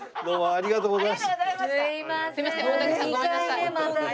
ありがとうございます。